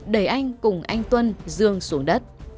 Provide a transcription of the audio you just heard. đẩy anh cùng anh tuân dương xuống đất